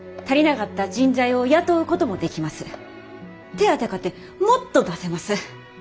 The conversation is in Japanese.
手当かてもっと出せます。